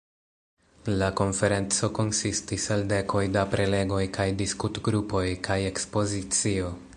La konferenco konsistis el dekoj da prelegoj kaj diskutgrupoj kaj ekspozicio.